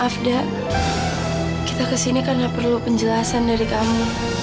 maaf da kita kesini karena perlu penjelasan dari kamu